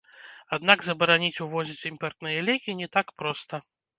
Аднак забараніць увозіць імпартныя лекі не так проста.